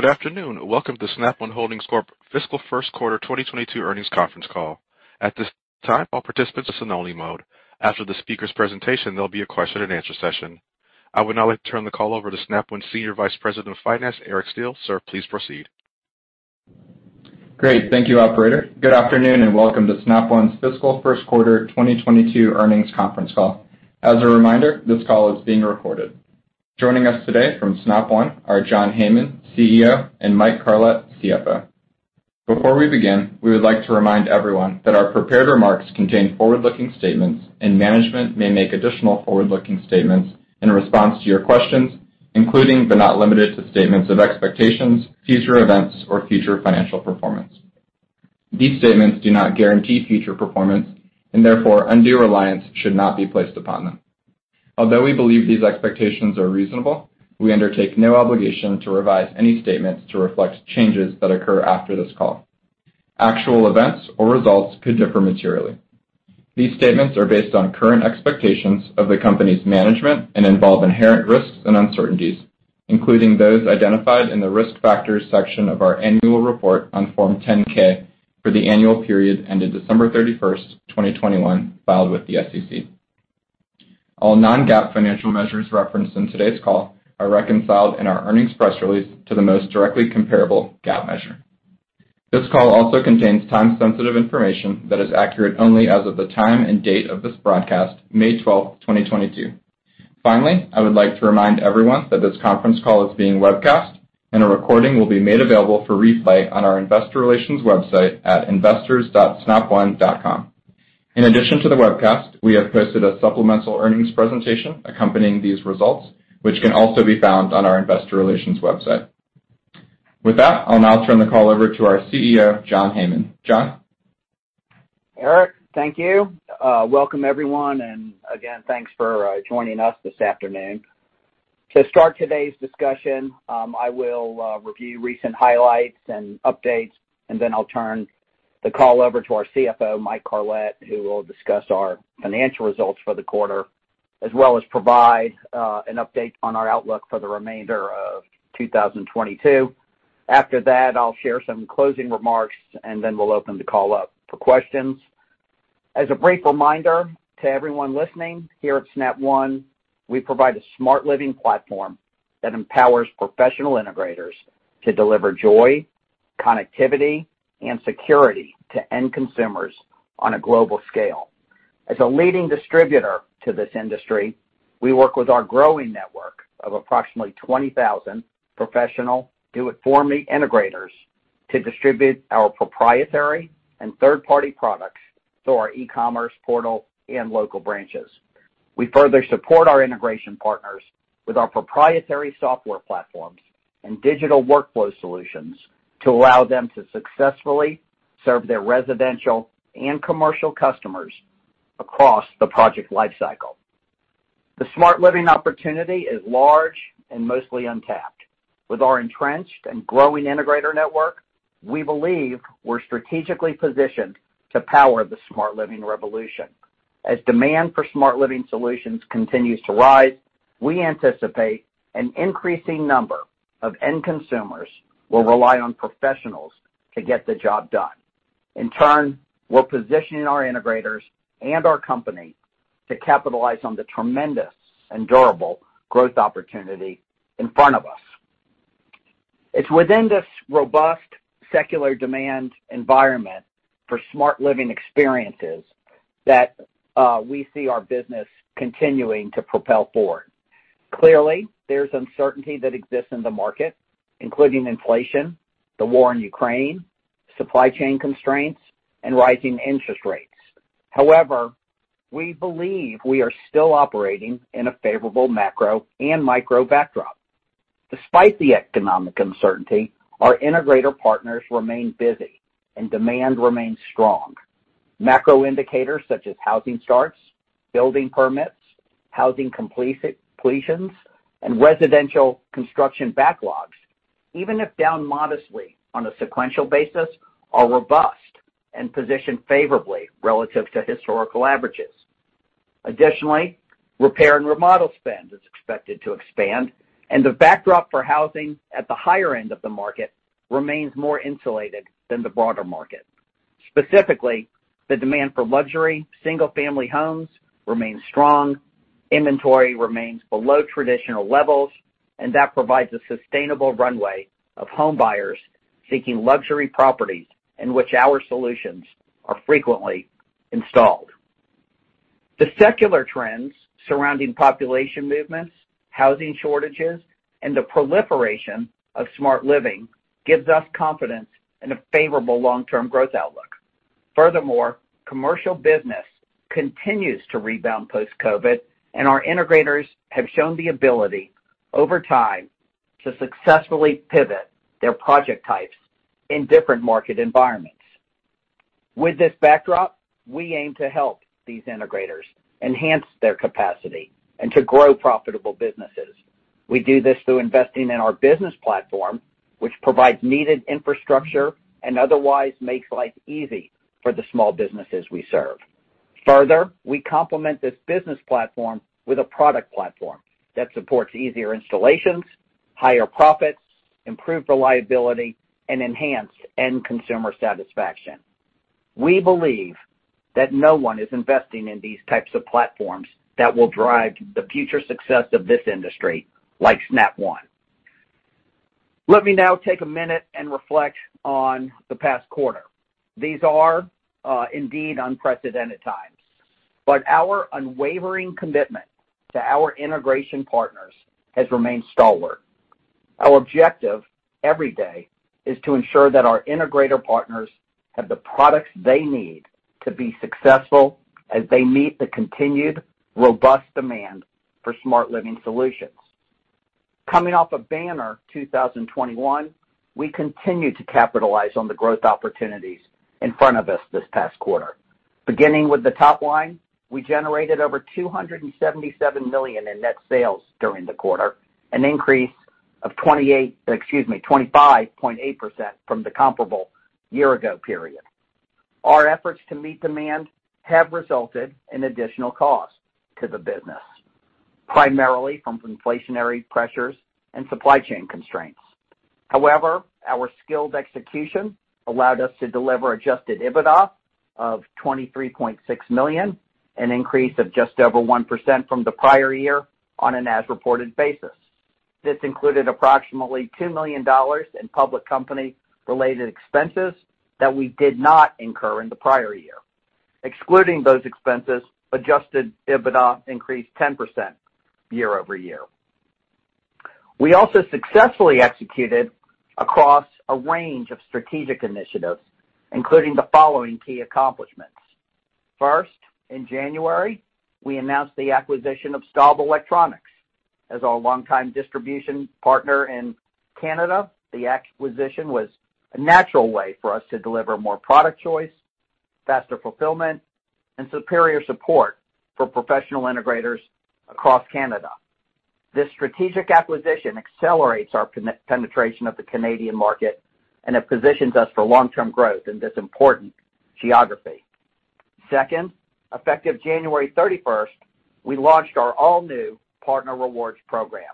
Good afternoon. Welcome to Snap One Holdings Corp. fiscal first quarter 2022 earnings conference call. At this time, all participants are in listen-only mode. After the speaker's presentation, there'll be a question-and-answer session. I would now like to turn the call over to Snap One Senior Vice President of Finance, Eric Steele. Sir, please proceed. Great. Thank you, operator. Good afternoon, and welcome to Snap One's fiscal first quarter 2022 earnings conference call. As a reminder, this call is being recorded. Joining us today from Snap One are John Heyman, CEO, and Mike Carlet, CFO. Before we begin, we would like to remind everyone that our prepared remarks contain forward-looking statements, and management may make additional forward-looking statements in response to your questions, including but not limited to statements of expectations, future events, or future financial performance. These statements do not guarantee future performance, and therefore, undue reliance should not be placed upon them. Although we believe these expectations are reasonable, we undertake no obligation to revise any statements to reflect changes that occur after this call. Actual events or results could differ materially. These statements are based on current expectations of the company's management and involve inherent risks and uncertainties, including those identified in the Risk Factors section of our annual report on Form 10-K for the annual period ended December 31st, 2021, filed with the SEC. All non-GAAP financial measures referenced in today's call are reconciled in our earnings press release to the most directly comparable GAAP measure. This call also contains time-sensitive information that is accurate only as of the time and date of this broadcast, May 12th, 2022. Finally, I would like to remind everyone that this conference call is being webcast, and a recording will be made available for replay on our investor relations website at investors.snapone.com. In addition to the webcast, we have posted a supplemental earnings presentation accompanying these results, which can also be found on our investor relations website. With that, I'll now turn the call over to our CEO, John Heyman. John? Eric, thank you. Welcome everyone, and again, thanks for joining us this afternoon. To start today's discussion, I will review recent highlights and updates, and then I'll turn the call over to our CFO, Mike Carlet, who will discuss our financial results for the quarter, as well as provide an update on our outlook for the remainder of 2022. After that, I'll share some closing remarks, and then we'll open the call up for questions. As a brief reminder to everyone listening, here at Snap One, we provide a smart living platform that empowers professional integrators to deliver joy, connectivity, and security to end consumers on a global scale. As a leading distributor to this industry, we work with our growing network of approximately 20,000 professional do-it-for-me integrators to distribute our proprietary and third-party products through our e-commerce portal and local branches. We further support our integration partners with our proprietary software platforms and digital workflow solutions to allow them to successfully serve their residential and commercial customers across the project life cycle. The smart living opportunity is large and mostly untapped. With our entrenched and growing integrator network, we believe we're strategically positioned to power the smart living revolution. As demand for smart living solutions continues to rise, we anticipate an increasing number of end consumers will rely on professionals to get the job done. In turn, we're positioning our integrators and our company to capitalize on the tremendous and durable growth opportunity in front of us. It's within this robust secular demand environment for smart living experiences that we see our business continuing to propel forward. Clearly, there's uncertainty that exists in the market, including inflation, the war in Ukraine, supply chain constraints, and rising interest rates. However, we believe we are still operating in a favorable macro and micro backdrop. Despite the economic uncertainty, our integrator partners remain busy and demand remains strong. Macro indicators such as housing starts, building permits, housing completions, and residential construction backlogs, even if down modestly on a sequential basis, are robust and positioned favorably relative to historical averages. Additionally, repair and remodel spend is expected to expand, and the backdrop for housing at the higher end of the market remains more insulated than the broader market. Specifically, the demand for luxury single-family homes remains strong, inventory remains below traditional levels, and that provides a sustainable runway of home buyers seeking luxury properties in which our solutions are frequently installed. The secular trends surrounding population movements, housing shortages, and the proliferation of smart living gives us confidence in a favorable long-term growth outlook. Furthermore, commercial business continues to rebound post-COVID, and our integrators have shown the ability over time to successfully pivot their project types in different market environments. With this backdrop, we aim to help these integrators enhance their capacity and to grow profitable businesses. We do this through investing in our business platform, which provides needed infrastructure and otherwise makes life easy for the small businesses we serve. Further, we complement this business platform with a product platform that supports easier installations, higher profits, improved reliability, and enhanced end consumer satisfaction. We believe that no one is investing in these types of platforms that will drive the future success of this industry like Snap One. Let me now take a minute and reflect on the past quarter. These are indeed unprecedented times, but our unwavering commitment to our integration partners has remained stalwart. Our objective every day is to ensure that our integrator partners have the products they need to be successful as they meet the continued robust demand for smart living solutions. Coming off a banner 2021, we continued to capitalize on the growth opportunities in front of us this past quarter. Beginning with the top line, we generated over $277 million in net sales during the quarter, an increase of 28%, excuse me, 25.8% from the comparable year ago period. Our efforts to meet demand have resulted in additional costs to the business, primarily from inflationary pressures and supply chain constraints. However, our skilled execution allowed us to deliver adjusted EBITDA of $23.6 million, an increase of just over 1% from the prior year on an as-reported basis. This included approximately $2 million in public company-related expenses that we did not incur in the prior year. Excluding those expenses, adjusted EBITDA increased 10% year-over-year. We also successfully executed across a range of strategic initiatives, including the following key accomplishments. First, in January, we announced the acquisition of Staub Electronics. As our longtime distribution partner in Canada, the acquisition was a natural way for us to deliver more product choice, faster fulfillment, and superior support for professional integrators across Canada. This strategic acquisition accelerates our penetration of the Canadian market, and it positions us for long-term growth in this important geography. Second, effective January 31st, we launched our all-new partner rewards program,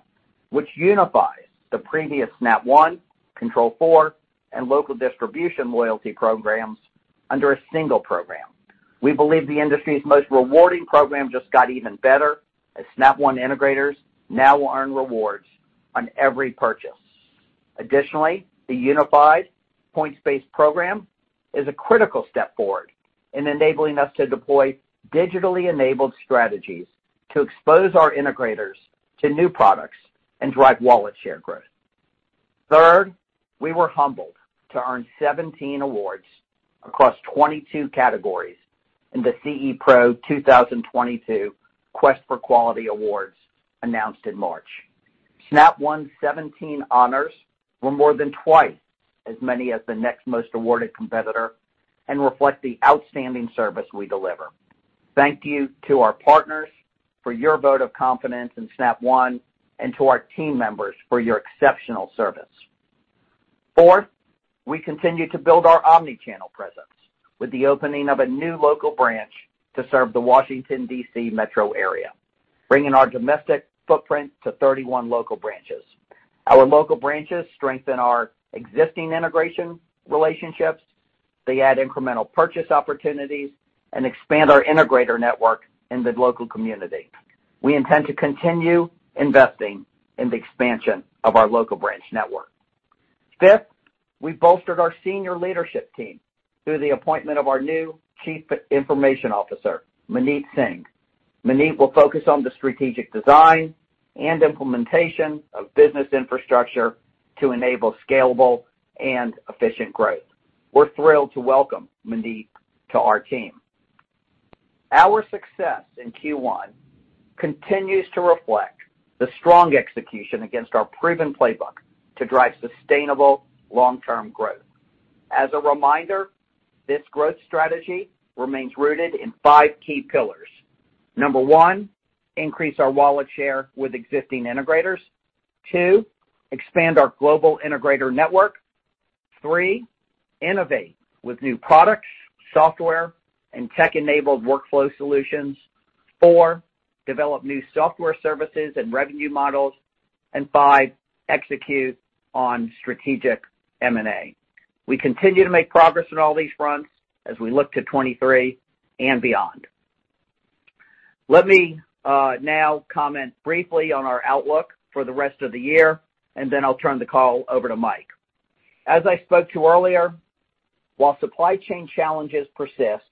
which unifies the previous Snap One, Control4, and local distribution loyalty programs under a single program. We believe the industry's most rewarding program just got even better as Snap One integrators now will earn rewards on every purchase. Additionally, the unified points-based program is a critical step forward in enabling us to deploy digitally enabled strategies to expose our integrators to new products and drive wallet share growth. Third, we were humbled to earn 17 awards across 22 categories in the CE Pro 2022 Quest for Quality Awards announced in March. Snap One's 17 honors were more than twice as many as the next most awarded competitor and reflect the outstanding service we deliver. Thank you to our partners for your vote of confidence in Snap One and to our team members for your exceptional service. Fourth, we continue to build our omni-channel presence with the opening of a new local branch to serve the Washington, D.C. metro area, bringing our domestic footprint to 31 local branches. Our local branches strengthen our existing integration relationships. They add incremental purchase opportunities and expand our integrator network in the local community. We intend to continue investing in the expansion of our local branch network. Fifth, we bolstered our senior leadership team through the appointment of our new Chief Information Officer, Maneet Singh. Maneet will focus on the strategic design and implementation of business infrastructure to enable scalable and efficient growth. We're thrilled to welcome Maneet to our team. Our success in Q1 continues to reflect the strong execution against our proven playbook to drive sustainable long-term growth. As a reminder, this growth strategy remains rooted in five key pillars. Number one, increase our wallet share with existing integrators. Two, expand our global integrator network. Three, innovate with new products, software, and tech-enabled workflow solutions. Four, develop new software services and revenue models. Five, execute on strategic M&A. We continue to make progress on all these fronts as we look to 2023 and beyond. Let me now comment briefly on our outlook for the rest of the year, and then I'll turn the call over to Mike. As I spoke to earlier, while supply chain challenges persist,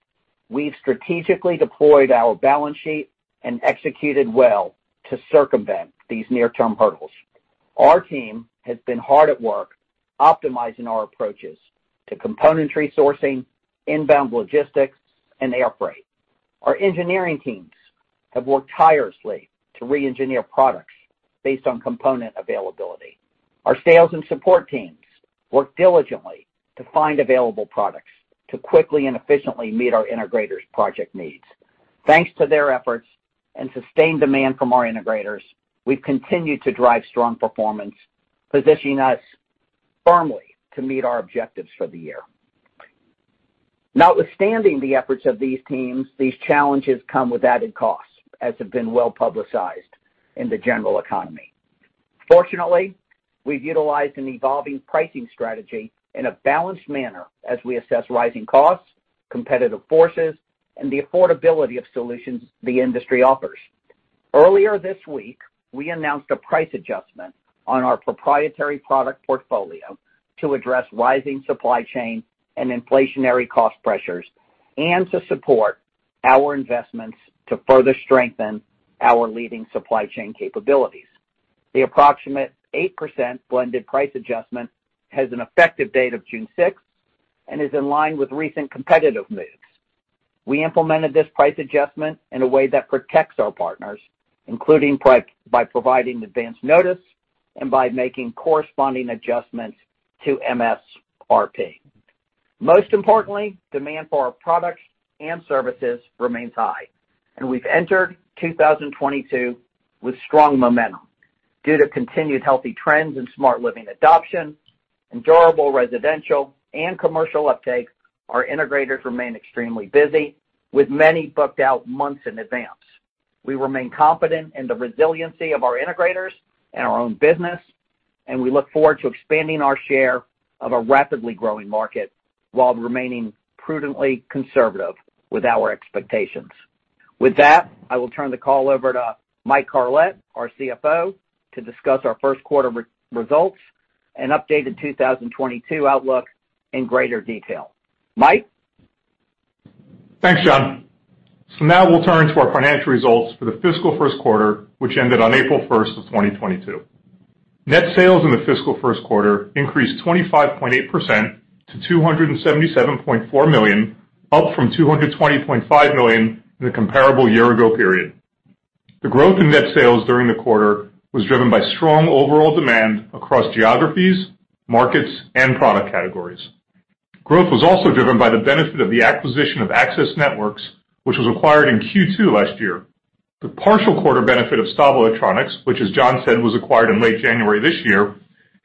we've strategically deployed our balance sheet and executed well to circumvent these near-term hurdles. Our team has been hard at work optimizing our approaches to component resourcing, inbound logistics, and air freight. Our engineering teams have worked tirelessly to re-engineer products based on component availability. Our sales and support teams work diligently to find available products to quickly and efficiently meet our integrators' project needs. Thanks to their efforts and sustained demand from our integrators, we've continued to drive strong performance, positioning us firmly to meet our objectives for the year. Notwithstanding the efforts of these teams, these challenges come with added costs, as have been well-publicized in the general economy. Fortunately, we've utilized an evolving pricing strategy in a balanced manner as we assess rising costs, competitive forces, and the affordability of solutions the industry offers. Earlier this week, we announced a price adjustment on our proprietary product portfolio to address rising supply chain and inflationary cost pressures, and to support our investments to further strengthen our leading supply chain capabilities. The approximate 8% blended price adjustment has an effective date of June sixth and is in line with recent competitive moves. We implemented this price adjustment in a way that protects our partners, including by providing advanced notice and by making corresponding adjustments to MSRP. Most importantly, demand for our products and services remains high, and we've entered 2022 with strong momentum. Due to continued healthy trends in smart living adoption and durable residential and commercial uptake, our integrators remain extremely busy, with many booked out months in advance. We remain confident in the resiliency of our integrators and our own business, and we look forward to expanding our share of a rapidly growing market while remaining prudently conservative with our expectations. With that, I will turn the call over to Mike Carlet, our CFO, to discuss our first quarter results and updated 2022 outlook in greater detail. Mike? Thanks, John. Now we'll turn to our financial results for the fiscal first quarter, which ended on April 1st, 2022. Net sales in the fiscal first quarter increased 25.8% to $277.4 million, up from $220.5 million in the comparable year ago period. The growth in net sales during the quarter was driven by strong overall demand across geographies, markets, and product categories. Growth was also driven by the benefit of the acquisition of Access Networks, which was acquired in Q2 last year. The partial quarter benefit of Staub Electronics, which as John said, was acquired in late January this year,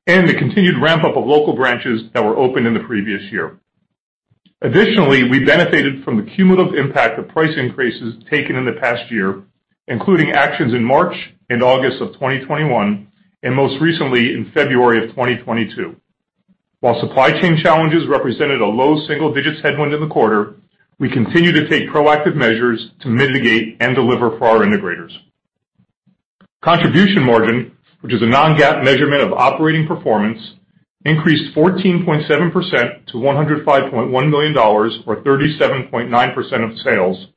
and the continued ramp-up of local branches that were opened in the previous year. Additionally, we benefited from the cumulative impact of price increases taken in the past year, including actions in March and August of 2021, and most recently in February of 2022. While supply chain challenges represented a low single digits headwind in the quarter, we continue to take proactive measures to mitigate and deliver for our integrators. Contribution margin, which is a non-GAAP measurement of operating performance, increased 14.7% to $105.1 million or 37.9% of sales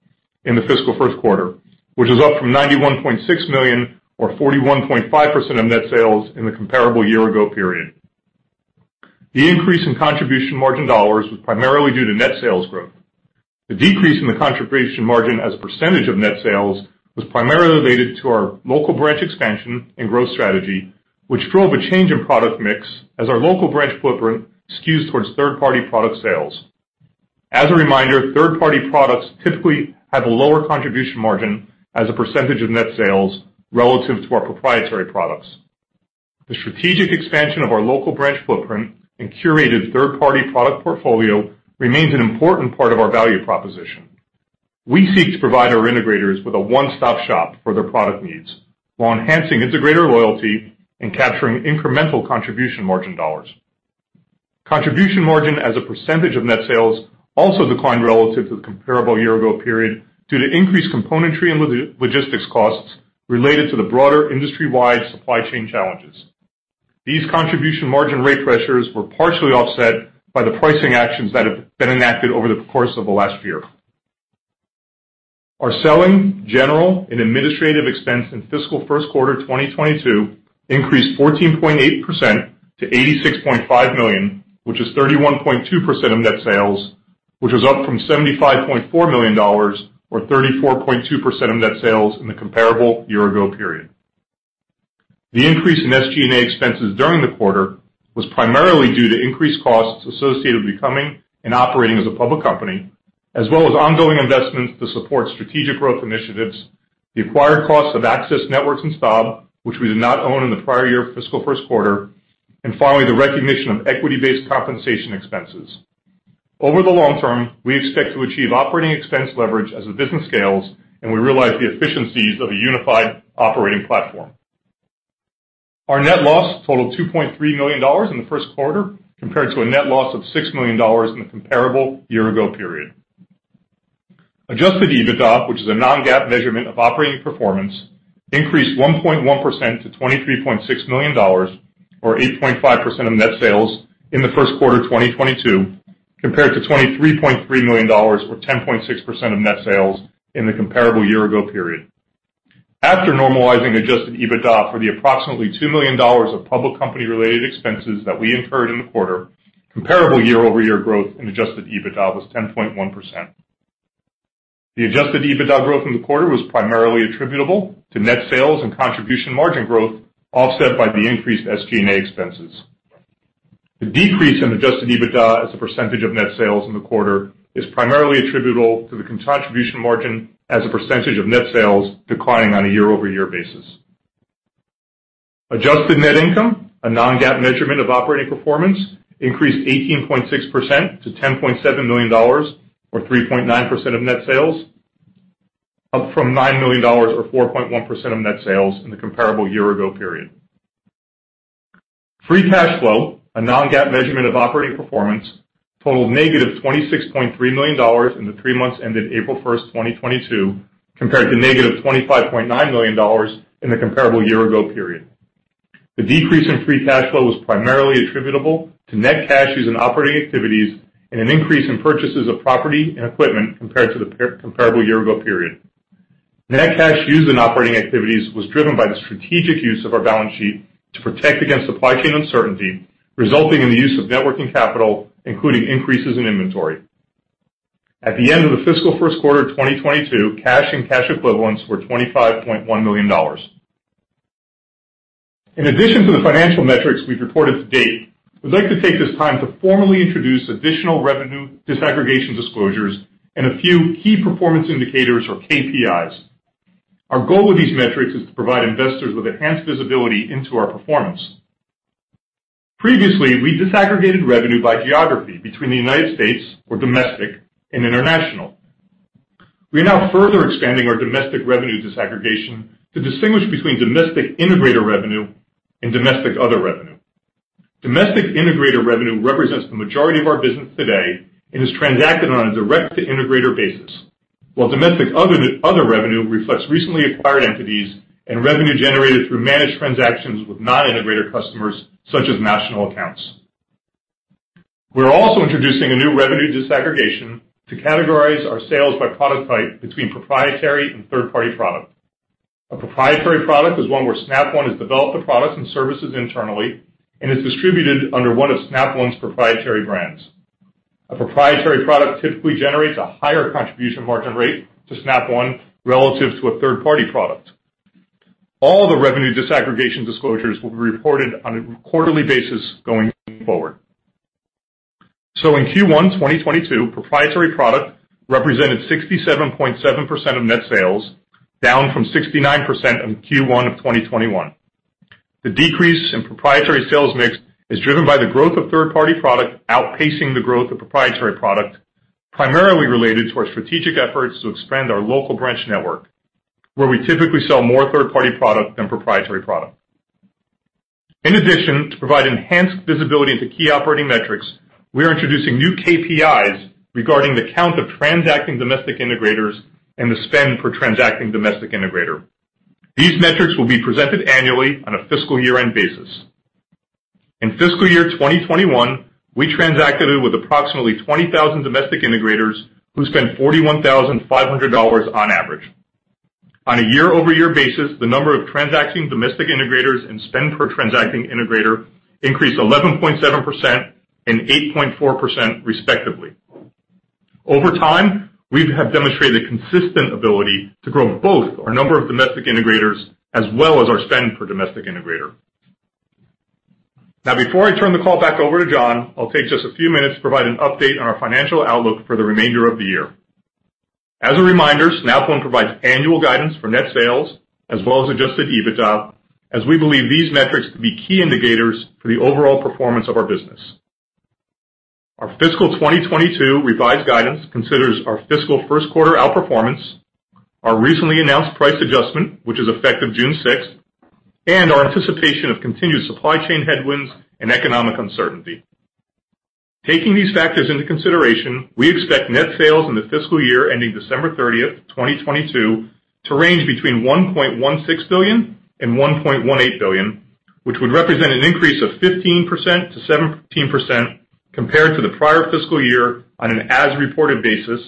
in the fiscal first quarter, which is up from $91.6 million or 41.5% of net sales in the comparable year ago period. The increase in contribution margin dollars was primarily due to net sales growth. The decrease in the contribution margin as a percentage of net sales was primarily related to our local branch expansion and growth strategy, which drove a change in product mix as our local branch footprint skews towards third-party product sales. As a reminder, third-party products typically have a lower contribution margin as a percentage of net sales relative to our proprietary products. The strategic expansion of our local branch footprint and curated third-party product portfolio remains an important part of our value proposition. We seek to provide our integrators with a one-stop shop for their product needs while enhancing integrator loyalty and capturing incremental contribution margin dollars. Contribution margin as a percentage of net sales also declined relative to the comparable year ago period due to increased componentry and logistics costs related to the broader industry-wide supply chain challenges. These contribution margin rate pressures were partially offset by the pricing actions that have been enacted over the course of the last year. Our selling, general, and administrative expense in fiscal first quarter 2022 increased 14.8% to $86.5 million, which is 31.2% of net sales, which was up from $75.4 million or 34.2% of net sales in the comparable year ago period. The increase in SG&A expenses during the quarter was primarily due to increased costs associated with becoming and operating as a public company, as well as ongoing investments to support strategic growth initiatives, the acquired costs of Access Networks and Staub, which we did not own in the prior year fiscal first quarter, and finally, the recognition of equity-based compensation expenses. Over the long term, we expect to achieve operating expense leverage as the business scales, and we realize the efficiencies of a unified operating platform. Our net loss totaled $2.3 million in the first quarter compared to a net loss of $6 million in the comparable year ago period. Adjusted EBITDA, which is a non-GAAP measurement of operating performance, increased 1.1% to $23.6 million or 8.5% of net sales in the first quarter of 2022, compared to $23.3 million or 10.6% of net sales in the comparable year ago period. After normalizing adjusted EBITDA for the approximately $2 million of public company-related expenses that we incurred in the quarter, comparable year-over-year growth in adjusted EBITDA was 10.1%. The adjusted EBITDA growth in the quarter was primarily attributable to net sales and contribution margin growth, offset by the increased SG&A expenses. The decrease in adjusted EBITDA as a percentage of net sales in the quarter is primarily attributable to the contribution margin as a percentage of net sales declining on a year-over-year basis. Adjusted net income, a non-GAAP measurement of operating performance, increased 18.6% to $10.7 million or 3.9% of net sales, up from $9 million or 4.1% of net sales in the comparable year ago period. Free cash flow, a non-GAAP measurement of operating performance, totaled -$26.3 million in the three months ended April 1st, 2022, compared to -$25.9 million in the comparable year ago period. The decrease in free cash flow was primarily attributable to net cash used in operating activities and an increase in purchases of property and equipment compared to the prior comparable year-ago period. Net cash used in operating activities was driven by the strategic use of our balance sheet to protect against supply chain uncertainty, resulting in the use of net working capital, including increases in inventory. At the end of the fiscal first quarter of 2022, cash and cash equivalents were $25.1 million. In addition to the financial metrics we've reported to date, we'd like to take this time to formally introduce additional revenue disaggregation disclosures and a few key performance indicators or KPIs. Our goal with these metrics is to provide investors with enhanced visibility into our performance. Previously, we disaggregated revenue by geography between the United States, or domestic, and international. We are now further expanding our domestic revenue disaggregation to distinguish between domestic integrator revenue and domestic other revenue. Domestic integrator revenue represents the majority of our business today and is transacted on a direct-to-integrator basis, while domestic other revenue reflects recently acquired entities and revenue generated through managed transactions with non-integrator customers such as national accounts. We're also introducing a new revenue disaggregation to categorize our sales by product type between proprietary and third-party product. A proprietary product is one where Snap One has developed the products and services internally and is distributed under one of Snap One's proprietary brands. A proprietary product typically generates a higher contribution margin rate to Snap One relative to a third-party product. All the revenue disaggregation disclosures will be reported on a quarterly basis going forward. In Q1 2022, proprietary product represented 67.7% of net sales, down from 69% in Q1 of 2021. The decrease in proprietary sales mix is driven by the growth of third-party product outpacing the growth of proprietary product, primarily related to our strategic efforts to expand our local branch network, where we typically sell more third-party product than proprietary product. In addition, to provide enhanced visibility into key operating metrics, we are introducing new KPIs regarding the count of transacting domestic integrators and the spend per transacting domestic integrator. These metrics will be presented annually on a fiscal year-end basis. In fiscal year 2021, we transacted with approximately 20,000 domestic integrators who spent $41,500 on average. On a year-over-year basis, the number of transacting domestic integrators and spend per transacting integrator increased 11.7% and 8.4%, respectively. Over time, we have demonstrated a consistent ability to grow both our number of domestic integrators as well as our spend per domestic integrator. Now, before I turn the call back over to John, I'll take just a few minutes to provide an update on our financial outlook for the remainder of the year. As a reminder, Snap One provides annual guidance for net sales as well as adjusted EBITDA, as we believe these metrics to be key indicators for the overall performance of our business. Our fiscal 2022 revised guidance considers our fiscal first quarter outperformance, our recently announced price adjustment, which is effective June 6th, and our anticipation of continued supply chain headwinds and economic uncertainty. Taking these factors into consideration, we expect net sales in the fiscal year ending December 30th, 2022 to range between $1.16 billion and $1.18 billion, which would represent an increase of 15%-17% compared to the prior fiscal year on an as-reported basis,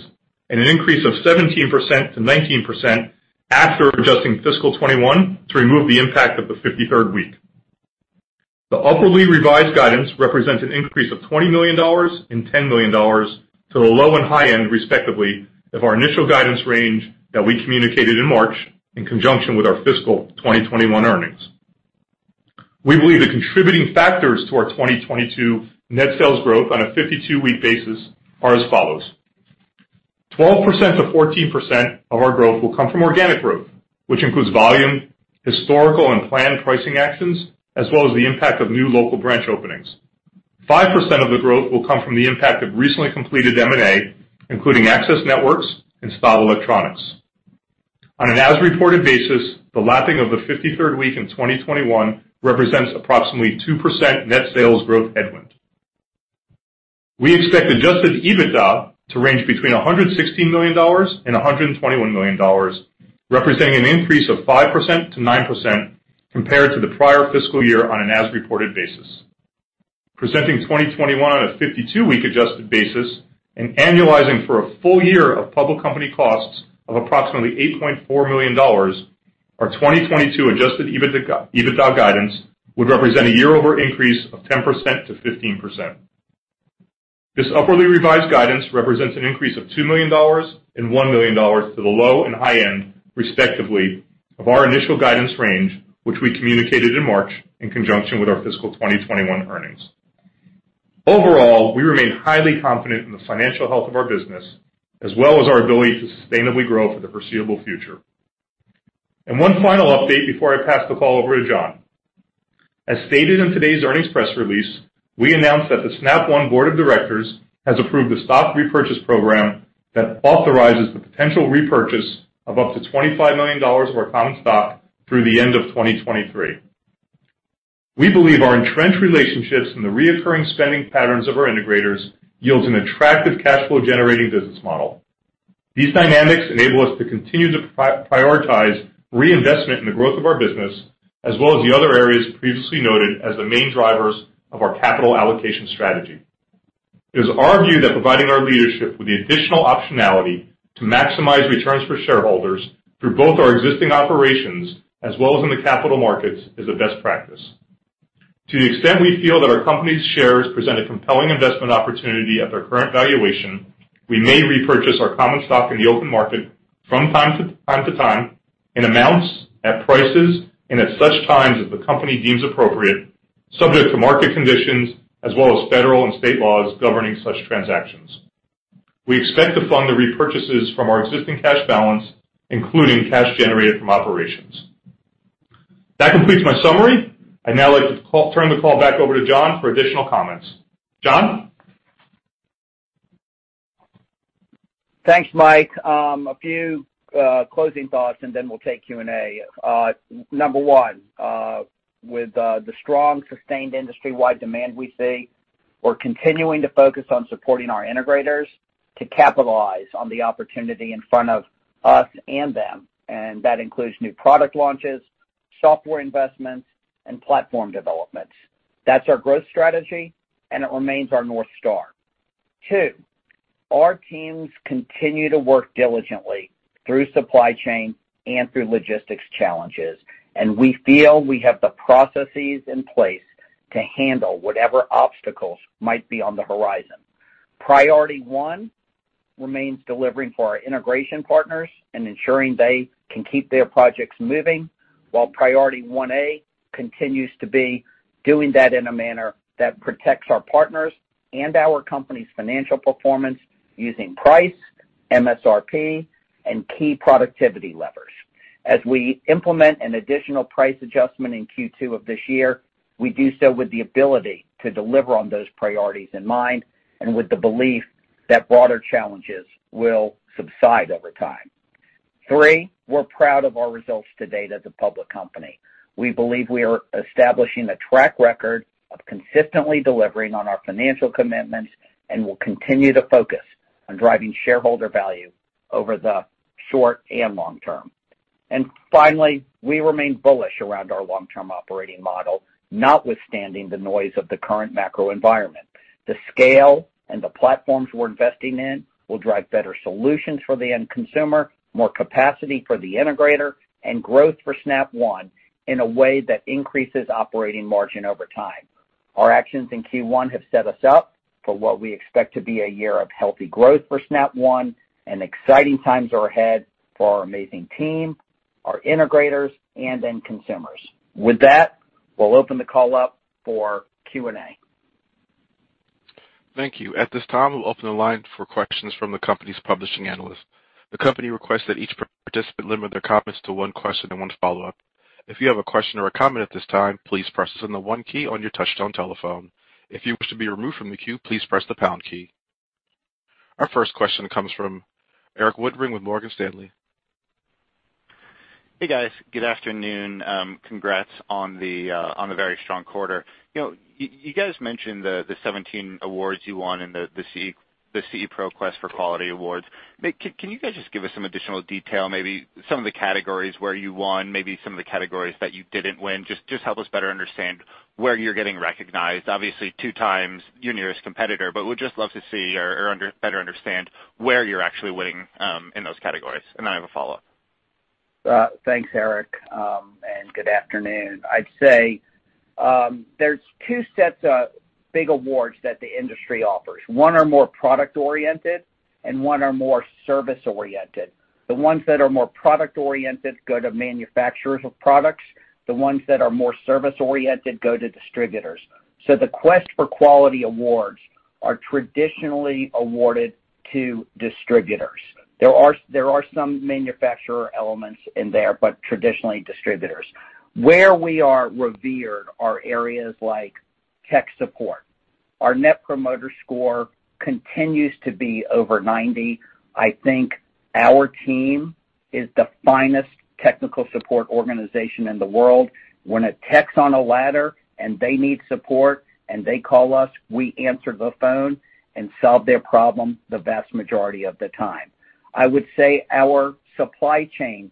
and an increase of 17%-19% after adjusting fiscal 2021 to remove the impact of the 53rd week. The upwardly revised guidance represents an increase of $20 million and $10 million to the low and high end, respectively, of our initial guidance range that we communicated in March in conjunction with our fiscal 2021 earnings. We believe the contributing factors to our 2022 net sales growth on a 52-week basis are as follows. 12%-14% of our growth will come from organic growth, which includes volume, historical and planned pricing actions, as well as the impact of new local branch openings. 5% of the growth will come from the impact of recently completed M&A, including Access Networks and Staub Electronics. On an as-reported basis, the lapping of the fifty-third week in 2021 represents approximately 2% net sales growth headwind. We expect adjusted EBITDA to range between $116 million and $121 million, representing an increase of 5%-9% compared to the prior fiscal year on an as-reported basis. Presenting 2021 on a 52-week adjusted basis and annualizing for a full year of public company costs of approximately $8.4 million, our 2022 adjusted EBITDA guidance would represent a year-over-year increase of 10%-15%. This upwardly revised guidance represents an increase of $2 million and $1 million to the low and high end, respectively, of our initial guidance range, which we communicated in March in conjunction with our fiscal 2021 earnings. Overall, we remain highly confident in the financial health of our business, as well as our ability to sustainably grow for the foreseeable future. One final update before I pass the call over to John. As stated in today's earnings press release, we announced that the Snap One board of directors has approved a stock repurchase program that authorizes the potential repurchase of up to $25 million of our common stock through the end of 2023. We believe our entrenched relationships and the recurring spending patterns of our integrators yields an attractive cash flow generating business model. These dynamics enable us to continue to prioritize reinvestment in the growth of our business, as well as the other areas previously noted as the main drivers of our capital allocation strategy. It is our view that providing our leadership with the additional optionality to maximize returns for shareholders through both our existing operations as well as in the capital markets is a best practice. To the extent we feel that our company's shares present a compelling investment opportunity at their current valuation, we may repurchase our common stock in the open market from time to time in amounts, at prices, and at such times as the company deems appropriate, subject to market conditions as well as federal and state laws governing such transactions. We expect to fund the repurchases from our existing cash balance, including cash generated from operations. That completes my summary. I'd now like to turn the call back over to John for additional comments. John? Thanks, Mike. A few closing thoughts and then we'll take Q&A. Number one, with the strong, sustained industry-wide demand we see, we're continuing to focus on supporting our integrators to capitalize on the opportunity in front of us and them, and that includes new product launches, software investments, and platform developments. That's our growth strategy, and it remains our North Star. Two, our teams continue to work diligently through supply chain and through logistics challenges, and we feel we have the processes in place to handle whatever obstacles might be on the horizon. Priority one remains delivering for our integration partners and ensuring they can keep their projects moving, while priority one A continues to be doing that in a manner that protects our partners and our company's financial performance using price, MSRP, and key productivity levers. As we implement an additional price adjustment in Q2 of this year, we do so with the ability to deliver on those priorities in mind and with the belief that broader challenges will subside over time. Three, we're proud of our results to date as a public company. We believe we are establishing a track record of consistently delivering on our financial commitments and will continue to focus on driving shareholder value over the short and long term. Finally, we remain bullish around our long-term operating model, notwithstanding the noise of the current macro environment. The scale and the platforms we're investing in will drive better solutions for the end consumer, more capacity for the integrator, and growth for Snap One in a way that increases operating margin over time. Our actions in Q1 have set us up for what we expect to be a year of healthy growth for Snap One, and exciting times are ahead for our amazing team, our integrators, and end consumers. With that, we'll open the call up for Q&A. Thank you. At this time, we'll open the line for questions from the company's participating analysts. The company requests that each participant limit their comments to one question and one follow-up. If you have a question or a comment at this time, please press the one key on your touch-tone telephone. If you wish to be removed from the queue, please press the pound key. Our first question comes from Erik Woodring with Morgan Stanley. Hey, guys. Good afternoon. Congrats on the very strong quarter. You know, you guys mentioned the 17 awards you won in the CE Pro Quest for Quality Awards. Can you guys just give us some additional detail, maybe some of the categories where you won, maybe some of the categories that you didn't win? Just help us better understand where you're getting recognized. Obviously, two times your nearest competitor, but we'd just love to see or better understand where you're actually winning in those categories. I have a follow-up. Thanks, Erik, and good afternoon. I'd say, there's two sets of big awards that the industry offers. One are more product-oriented, and one are more service-oriented. The ones that are more product-oriented go to manufacturers of products. The ones that are more service-oriented go to distributors. The Quest for Quality Awards are traditionally awarded to distributors. There are some manufacturer elements in there, but traditionally distributors. Where we are revered are areas like tech support. Our net promoter score continues to be over 90. I think our team is the finest technical support organization in the world. When a tech's on a ladder and they need support and they call us, we answer the phone and solve their problem the vast majority of the time. I would say our supply chain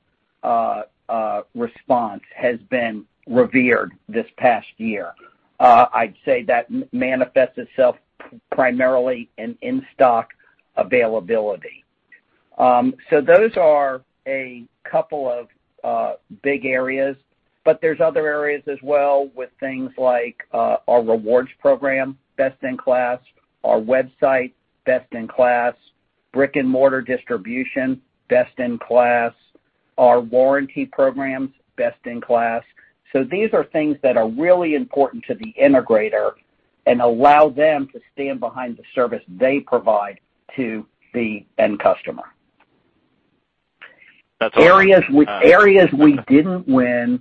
response has been revered this past year. I'd say that manifests itself primarily in-stock availability. Those are a couple of big areas, but there's other areas as well with things like our rewards program, best in class. Our website, best in class. Brick-and-mortar distribution, best in class. Our warranty programs, best in class. These are things that are really important to the integrator and allow them to stand behind the service they provide to the end customer. That's all. Areas we didn't win,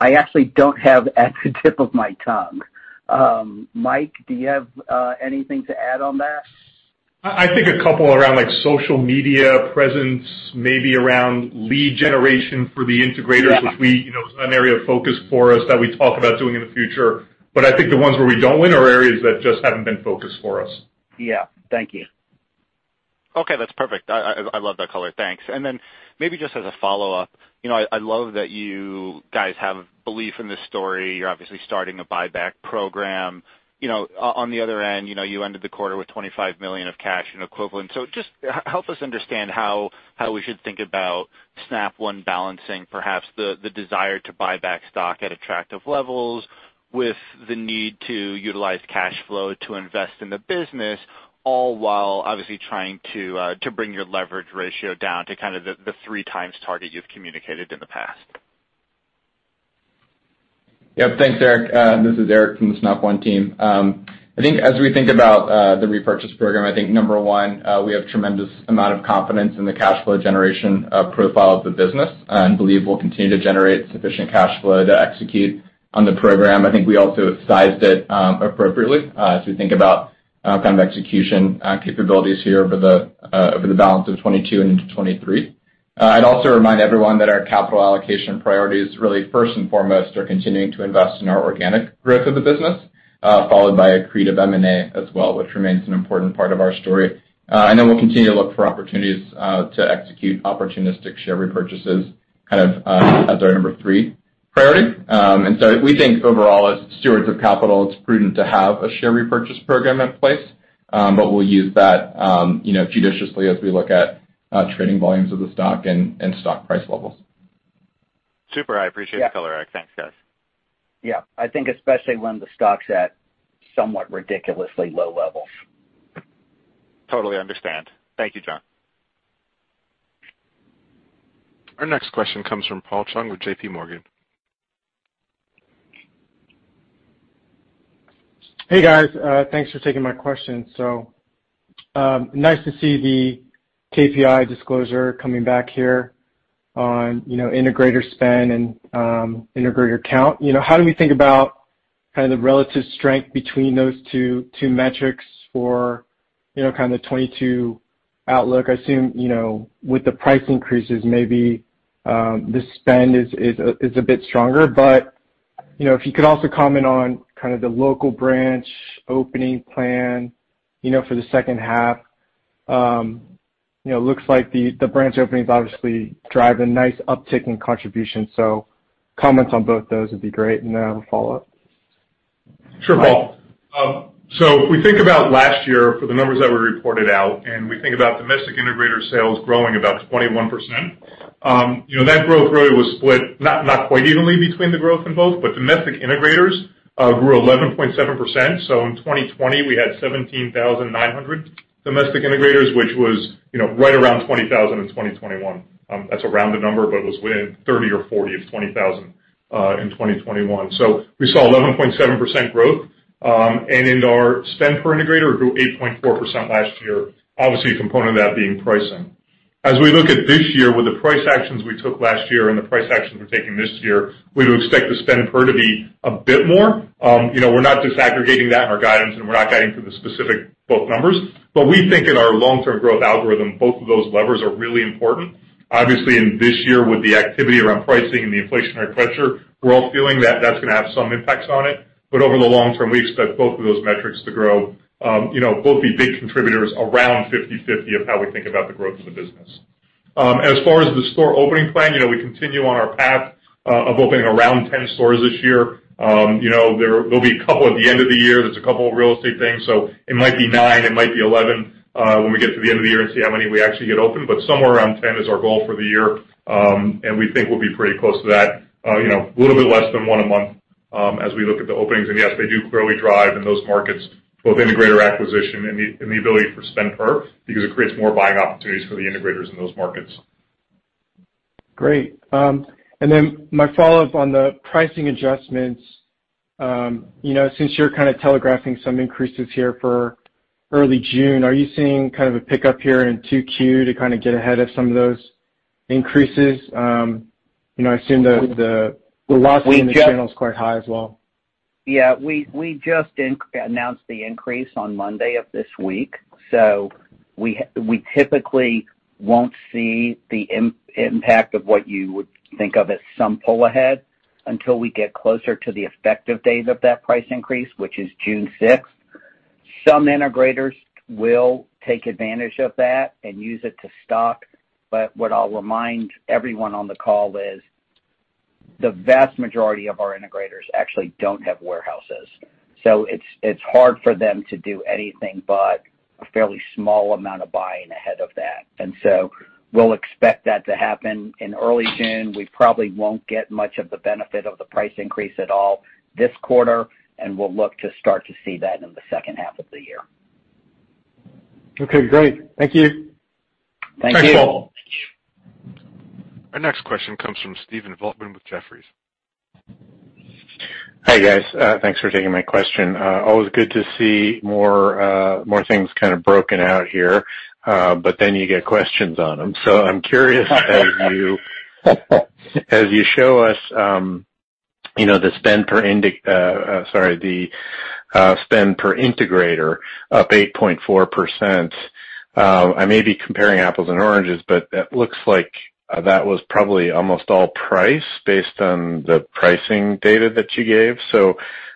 I actually don't have at the tip of my tongue. Mike, do you have anything to add on that? I think a couple around like social media presence, maybe around lead generation for the integrators. Yeah. which we, you know, is an area of focus for us that we talk about doing in the future. I think the ones where we don't win are areas that just haven't been focused for us. Yeah. Thank you. Okay, that's perfect. I love that color. Thanks. Maybe just as a follow-up, you know, I love that you guys have belief in this story. You're obviously starting a buyback program. You know, on the other end, you know, you ended the quarter with $25 million of cash and equivalents. So just help us understand how we should think about Snap One balancing perhaps the desire to buy back stock at attractive levels with the need to utilize cash flow to invest in the business, all while obviously trying to bring your leverage ratio down to kind of the 3x target you've communicated in the past. Yeah, thanks, Erik. This is Eric from the Snap One team. I think as we think about the repurchase program, I think number one, we have a tremendous amount of confidence in the cash flow generation profile of the business and believe we'll continue to generate sufficient cash flow to execute on the program. I think we also have sized it appropriately as we think about kind of execution capabilities here over the balance of 2022 and into 2023. I'd also remind everyone that our capital allocation priorities really first and foremost are continuing to invest in our organic growth of the business, followed by accretive M&A as well, which remains an important part of our story. Then we'll continue to look for opportunities to execute opportunistic share repurchases kind of as our number three priority. We think overall as stewards of capital, it's prudent to have a share repurchase program in place. We'll use that you know judiciously as we look at trading volumes of the stock and stock price levels. Super. I appreciate- Yeah. The color, Eric. Thanks, guys. Yeah. I think especially when the stock's at somewhat ridiculously low levels. Totally understand. Thank you, John. Our next question comes from Paul Chung with JPMorgan. Hey, guys. Thanks for taking my question. So, nice to see the KPIs disclosure coming back here on integrator spend and integrator count. You know, how do we think about kind of the relative strength between those two metrics for 2022 outlook? I assume, you know, with the price increases, maybe the spend is a bit stronger. But, you know, if you could also comment on kind of the local branch opening plan, you know, for the second half. You know, looks like the branch openings obviously drive a nice uptick in contribution. So comments on both those would be great. Then I have a follow-up. Sure, Paul. If we think about last year for the numbers that were reported out and we think about domestic integrator sales growing about 21%, you know, that growth really was split not quite evenly between the growth in both, but domestic integrators grew 11.7%. In 2020, we had 17,900 domestic integrators, which was, you know, right around 20,000 in 2021. That's a rounded number, but it was within 30 or 40 of 20,000 in 2021. We saw 11.7% growth. In our spend per integrator grew 8.4% last year, obviously a component of that being pricing. As we look at this year with the price actions we took last year and the price actions we're taking this year, we would expect the spend per to be a bit more. You know, we're not disaggregating that in our guidance, and we're not guiding for the specific both numbers. We think in our long-term growth algorithm, both of those levers are really important. Obviously, in this year with the activity around pricing and the inflationary pressure, we're all feeling that that's gonna have some impacts on it. Over the long term, we expect both of those metrics to grow. You know, both be big contributors around 50/50 of how we think about the growth of the business. As far as the store opening plan, you know, we continue on our path of opening around 10 stores this year. You know, there'll be a couple at the end of the year. There's a couple of real estate things, so it might be nine, it might be 11, when we get to the end of the year and see how many we actually get open, but somewhere around 10 is our goal for the year. We think we'll be pretty close to that, you know, a little bit less than 1 a month, as we look at the openings. Yes, they do clearly drive in those markets, both integrator acquisition and the ability for spend per because it creates more buying opportunities for the integrators in those markets. Great. My follow-up on the pricing adjustments, you know, since you're kind of telegraphing some increases here for early June, are you seeing kind of a pickup here in 2Q to kind of get ahead of some of those increases? You know, I assume the loss in the channel is quite high as well. Yeah. We just announced the increase on Monday of this week. We typically won't see the impact of what you would think of as some pull ahead until we get closer to the effective date of that price increase, which is June 6th. Some integrators will take advantage of that and use it to stock. What I'll remind everyone on the call is, the vast majority of our integrators actually don't have warehouses. It's hard for them to do anything but a fairly small amount of buying ahead of that. We'll expect that to happen in early June. We probably won't get much of the benefit of the price increase at all this quarter, and we'll look to start to see that in the second half of the year. Okay, great. Thank you. Thank you. Thanks, Paul. Our next question comes from Stephen Volkmann with Jefferies. Hi, guys. Thanks for taking my question. Always good to see more things kind of broken out here, but then you get questions on them. I'm curious as you show us, you know, the spend per integrator up 8.4%. I may be comparing apples and oranges, but it looks like that was probably almost all price based on the pricing data that you gave.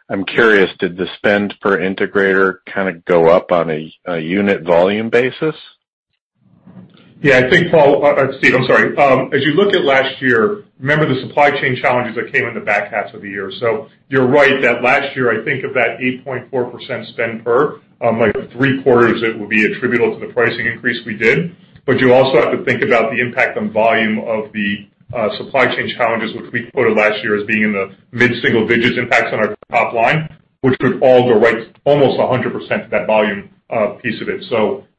I'm curious, did the spend per integrator kinda go up on a unit volume basis? Yeah, I think, Paul. Stephen, I'm sorry. As you look at last year, remember the supply chain challenges that came in the back half of the year. You're right that last year, I think of that 8.4% spend per three-quarters it would be attributable to the pricing increase we did. You also have to think about the impact on volume of the supply chain challenges, which we quoted last year as being in the mid-single digits impacts on our top line, which would all go right almost 100% to that volume piece of it.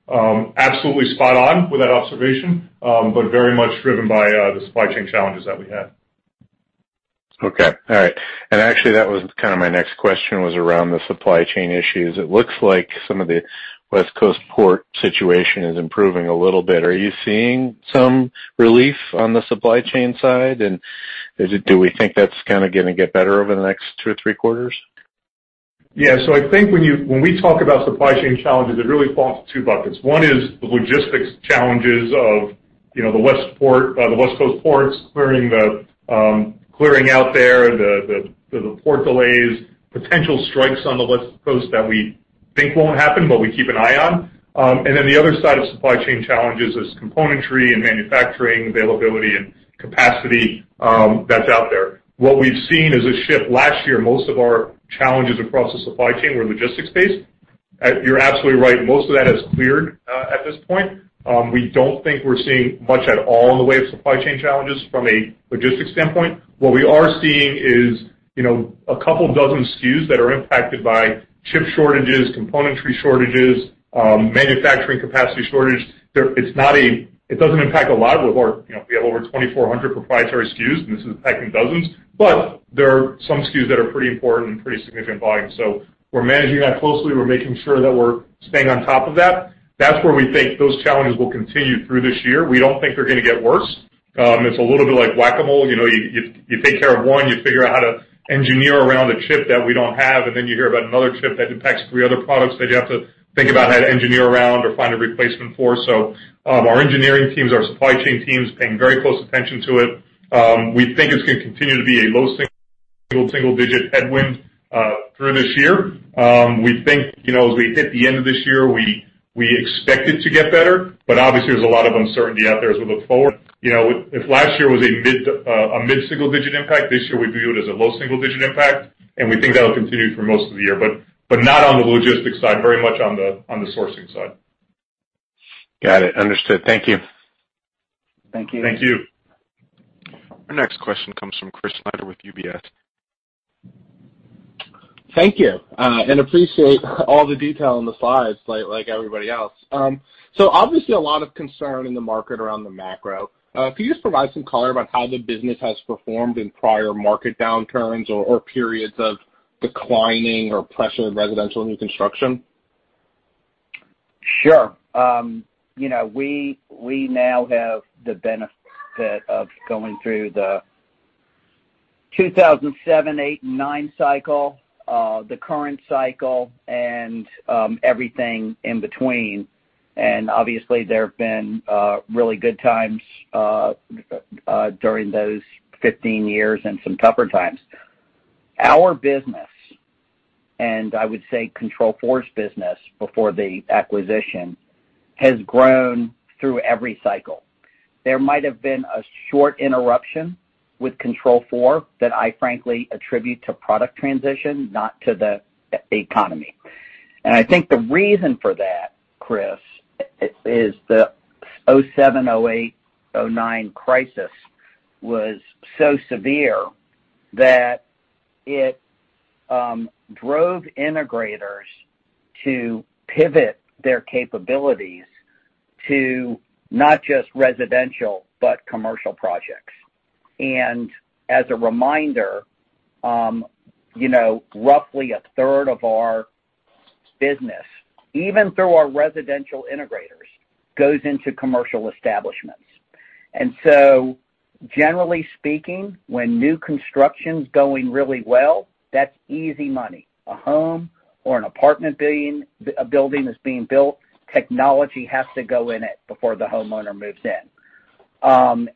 Absolutely spot on with that observation, but very much driven by the supply chain challenges that we had. Okay. All right. Actually that was kinda my next question was around the supply chain issues. It looks like some of the West Coast port situation is improving a little bit. Are you seeing some relief on the supply chain side? Do we think that's kinda gonna get better over the next two or three quarters? Yeah. I think when we talk about supply chain challenges, it really falls in two buckets. One is the logistics challenges of, you know, the West Coast ports clearing out there, the port delays, potential strikes on the West Coast that we think won't happen, but we keep an eye on. Then the other side of supply chain challenges is componentry and manufacturing availability and capacity that's out there. What we've seen is a shift. Last year, most of our challenges across the supply chain were logistics based. You're absolutely right, most of that has cleared at this point. We don't think we're seeing much at all in the way of supply chain challenges from a logistics standpoint. What we are seeing is, you know, a couple dozen SKUs that are impacted by chip shortages, componentry shortages, manufacturing capacity shortage. It doesn't impact a lot of our, you know, we have over 2,400 proprietary SKUs, and this is impacting dozens. There are some SKUs that are pretty important and pretty significant volume. We're managing that closely. We're making sure that we're staying on top of that. That's where we think those challenges will continue through this year. We don't think they're gonna get worse. It's a little bit like Whac-A-Mole. You know, you take care of one, you figure out how to engineer around a chip that we don't have, and then you hear about another chip that impacts three other products that you have to think about how to engineer around or find a replacement for. Our engineering teams, our supply chain teams paying very close attention to it. We think it's gonna continue to be a low single-digit headwind through this year. We think, you know, as we hit the end of this year, we expect it to get better, but obviously, there's a lot of uncertainty out there as we look forward. You know, if last year was a mid-single digit impact, this year we view it as a low single-digit impact, and we think that'll continue through most of the year, but not on the logistics side, very much on the sourcing side. Got it. Understood. Thank you. Thank you. Thank you. Our next question comes from Chris Snyder with UBS. Thank you. Appreciate all the detail in the slides like everybody else. Obviously a lot of concern in the market around the macro. Can you just provide some color about how the business has performed in prior market downturns or periods of declining or pressure in residential new construction? Sure. You know, we now have the benefit of going through the 2007, 2008 and 2009 cycle, the current cycle and everything in between. Obviously, there have been really good times during those 15 years and some tougher times. Our business, and I would say Control4's business before the acquisition, has grown through every cycle. There might have been a short interruption with Control4 that I frankly attribute to product transition, not to the economy. I think the reason for that, Chris, is the 2007, 2008, 2009 crisis was so severe that it drove integrators to pivot their capabilities to not just residential, but commercial projects. As a reminder, you know, roughly a third of our business, even through our residential integrators, goes into commercial establishments. Generally speaking, when new construction's going really well, that's easy money. A home or an apartment building, a building is being built, technology has to go in it before the homeowner moves in.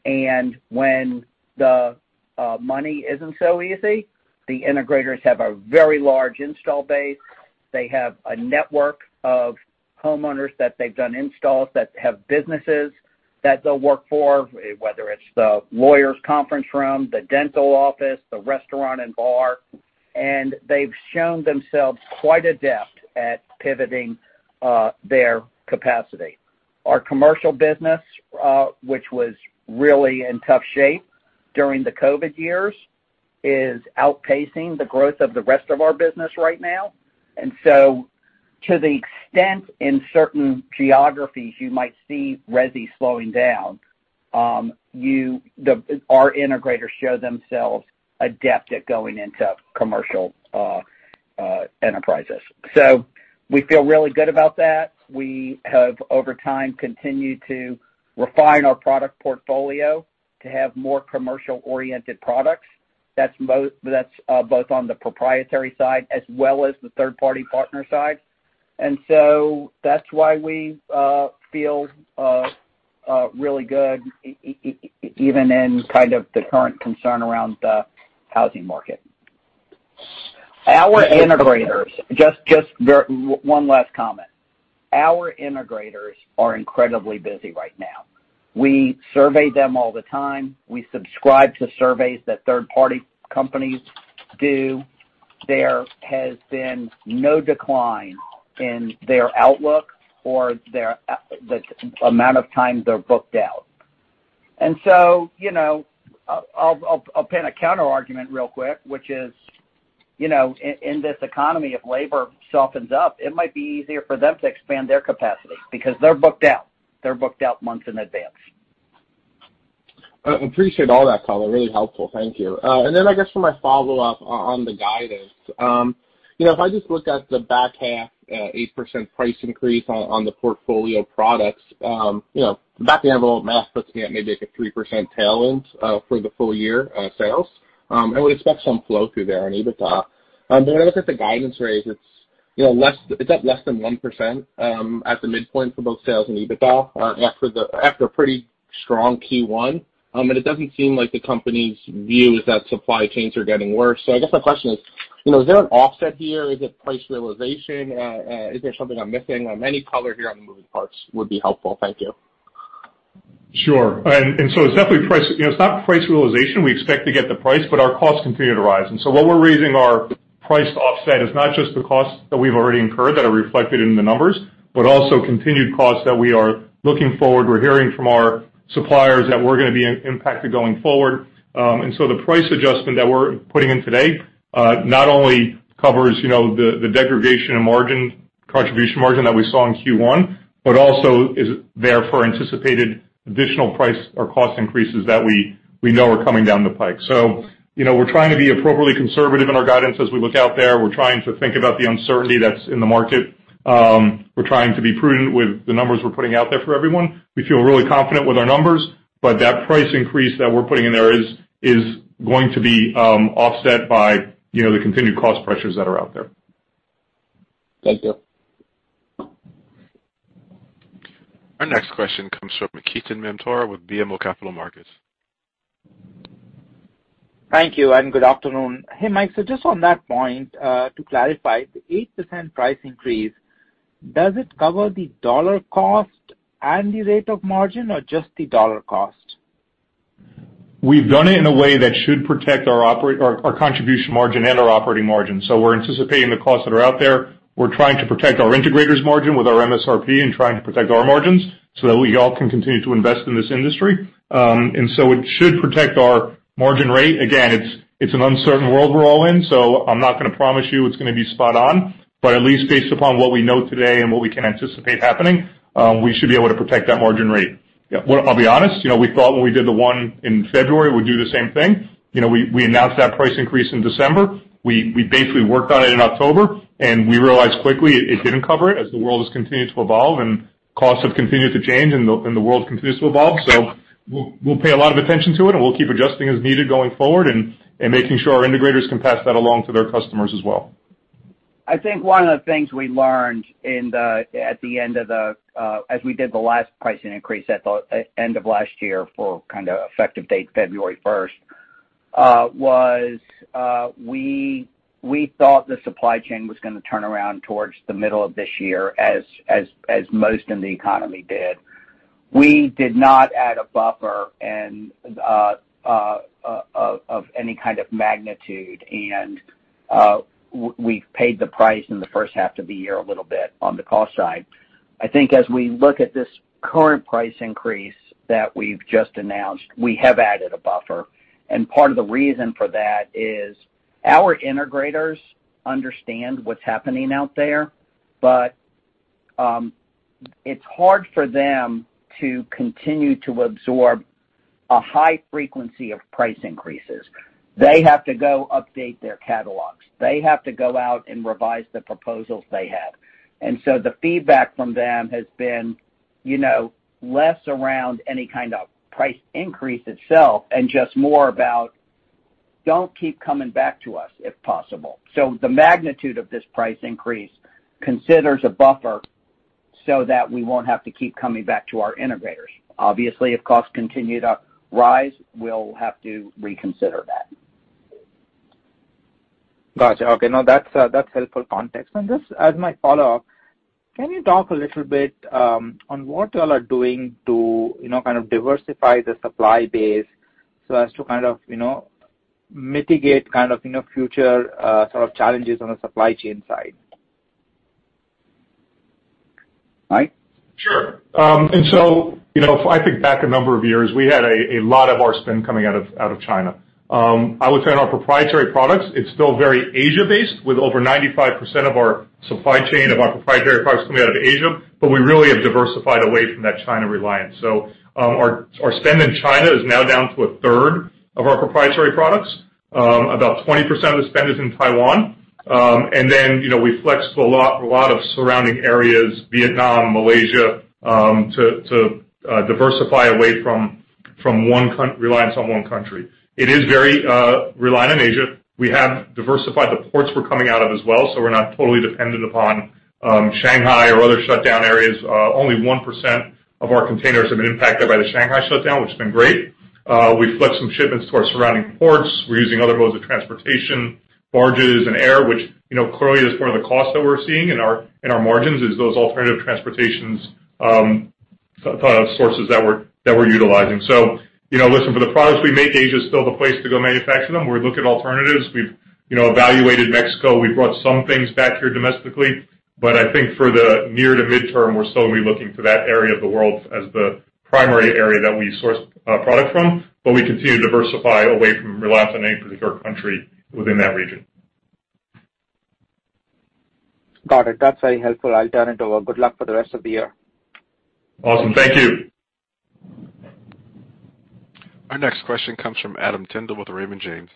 When the money isn't so easy, the integrators have a very large install base. They have a network of homeowners that they've done installs that have businesses that they'll work for, whether it's the lawyer's conference room, the dental office, the restaurant and bar, and they've shown themselves quite adept at pivoting their capacity. Our commercial business, which was really in tough shape during the COVID years, is outpacing the growth of the rest of our business right now. To the extent in certain geographies you might see resi slowing down, our integrators show themselves adept at going into commercial enterprises. We feel really good about that. We have over time continued to refine our product portfolio to have more commercial-oriented products. That's both on the proprietary side as well as the third-party partner side. That's why we feel really good even in kind of the current concern around the housing market. Our integrators. Just one last comment. Our integrators are incredibly busy right now. We survey them all the time. We subscribe to surveys that third-party companies do. There has been no decline in their outlook or the amount of time they're booked out. You know, I'll paint a counterargument real quick, which is, you know, in this economy, if labor softens up, it might be easier for them to expand their capacity because they're booked out. They're booked out months in advance. I appreciate all that, John. Really helpful. Thank you. I guess for my follow-up on the guidance, you know, if I just look at the back half, 8% price increase on the portfolio products, you know, back of the envelope math puts me at maybe like a 3% tailwind for the full year sales. I would expect some flow through there on EBITDA. When I look at the guidance raise, it's you know, up less than 1% at the midpoint for both sales and EBITDA after a pretty strong Q1. It doesn't seem like the company's view is that supply chains are getting worse. I guess my question is, you know, is there an offset here? Is it price realization? Is there something I'm missing? Any color here on the moving parts would be helpful. Thank you. Sure. It's definitely price. You know, it's not price realization. We expect to get the price, but our costs continue to rise. What we're raising our price to offset is not just the costs that we've already incurred that are reflected in the numbers, but also continued costs that we are looking forward. We're hearing from our suppliers that we're gonna be impacted going forward. The price adjustment that we're putting in today not only covers, you know, the degradation in margin, contribution margin that we saw in Q1, but also is there for anticipated additional price or cost increases that we know are coming down the pike. You know, we're trying to be appropriately conservative in our guidance as we look out there. We're trying to think about the uncertainty that's in the market. We're trying to be prudent with the numbers we're putting out there for everyone. We feel really confident with our numbers, but that price increase that we're putting in there is going to be offset by, you know, the continued cost pressures that are out there. Thank you. Our next question comes from Ketan Mamtora with BMO Capital Markets. Thank you and good afternoon. Hey, Mike. Just on that point, to clarify, the 8% price increase, does it cover the dollar cost and the rate of margin or just the dollar cost? We've done it in a way that should protect our contribution margin and our operating margin. We're anticipating the costs that are out there. We're trying to protect our integrators' margin with our MSRP and trying to protect our margins so that we all can continue to invest in this industry. It should protect our margin rate. Again, it's an uncertain world we're all in, so I'm not gonna promise you it's gonna be spot on. At least based upon what we know today and what we can anticipate happening, we should be able to protect that margin rate. Yeah. Well, I'll be honest, you know, we thought when we did the one in February, we'd do the same thing. You know, we announced that price increase in December. We basically worked on it in October, and we realized quickly it didn't cover it as the world has continued to evolve and costs have continued to change and the world continues to evolve. We'll pay a lot of attention to it, and we'll keep adjusting as needed going forward and making sure our integrators can pass that along to their customers as well. I think one of the things we learned at the end of last year as we did the last pricing increase for kinda effective date February 1st, was we thought the supply chain was gonna turn around towards the middle of this year as most in the economy did. We did not add a buffer of any kind of magnitude, and we've paid the price in the first half of the year a little bit on the cost side. I think as we look at this current price increase that we've just announced, we have added a buffer. Part of the reason for that is our integrators understand what's happening out there, but it's hard for them to continue to absorb a high frequency of price increases. They have to go update their catalogs. They have to go out and revise the proposals they have. The feedback from them has been, you know, less around any kind of price increase itself and just more about, "Don't keep coming back to us, if possible." The magnitude of this price increase considers a buffer so that we won't have to keep coming back to our integrators. Obviously, if costs continue to rise, we'll have to reconsider that. Gotcha. Okay. No, that's helpful context. Just as my follow-up, can you talk a little bit, on what y'all are doing to, you know, kind of diversify the supply base so as to kind of, you know, mitigate kind of, you know, future, sort of challenges on the supply chain side? Mike? Sure. You know, if I think back a number of years, we had a lot of our spend coming out of China. I would say on our proprietary products, it's still very Asia-based, with over 95% of our supply chain of our proprietary products coming out of Asia, but we really have diversified away from that China reliance. Our spend in China is now down to a third of our proprietary products. About 20% of the spend is in Taiwan. You know, we flex to a lot of surrounding areas, Vietnam, Malaysia, to diversify away from reliance on one country. It is very reliant on Asia. We have diversified the ports we're coming out of as well, so we're not totally dependent upon Shanghai or other shutdown areas. Only 1% of our containers have been impacted by the Shanghai shutdown, which has been great. We flexed some shipments to our surrounding ports. We're using other modes of transportation, barges and air, which, you know, clearly is part of the cost that we're seeing in our margins is those alternative transportations sources that we're utilizing. You know, listen, for the products we make, Asia is still the place to go manufacture them. We look at alternatives. We've, you know, evaluated Mexico. We've brought some things back here domestically. I think for the near to midterm, we're still gonna be looking to that area of the world as the primary area that we source product from, but we continue to diversify away from reliance on any particular country within that region. Got it. That's very helpful. I'll turn it over. Good luck for the rest of the year. Awesome. Thank you. Our next question comes from Adam Tindle with Raymond James.